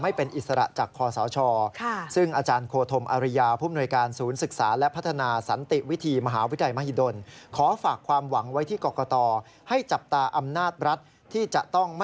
ไม่เป็นอิสระจากคอสช